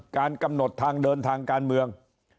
การกำหนดทางเดินทางการเมือง